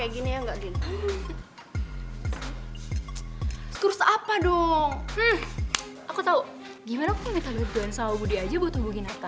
gimana aku ingin tergantung sama budi aja buat hubungi nata